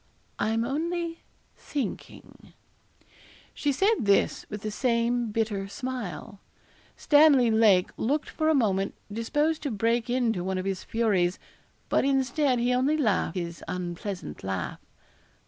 'I'm only thinking.' She said this with the same bitter smile. Stanley Lake looked for a moment disposed to break into one of his furies, but instead he only laughed his unpleasant laugh.